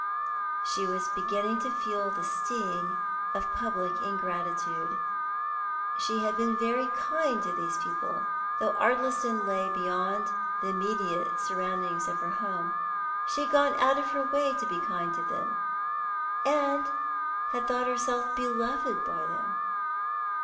She was beginning to feel the sting of public ingratitude. She had been very kind to these people — though Ardlistou lay beyond the immediate surroundings of her home. She had gone out of her way to be kind to them, and had thought herself beloved by them.